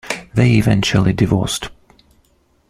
They eventually divorced.